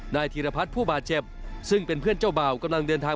ธีรพัฒน์ผู้บาดเจ็บซึ่งเป็นเพื่อนเจ้าบ่าวกำลังเดินทาง